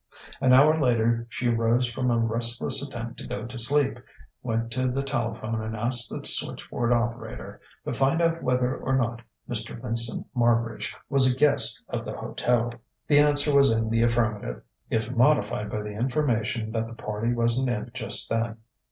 An hour later she rose from a restless attempt to go to sleep, went to the telephone and asked the switchboard operator to find out whether or not Mr. Vincent Marbridge was a guest of the hotel. The answer was in the affirmative, if modified by the information that the party wasn't in just then.